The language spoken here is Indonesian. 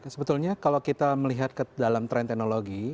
sebetulnya kalau kita melihat ke dalam tren teknologi